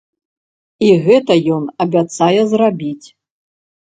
І гэта ён абяцае зрабіць.